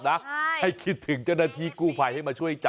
มันก็จะคิดว่าดังนั้นละ